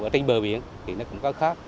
trên bờ biển thì nó cũng có khác